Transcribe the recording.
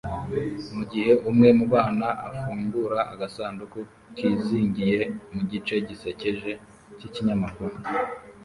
mugihe umwe mubana afungura agasanduku kizingiye mu gice gisekeje cyikinyamakuru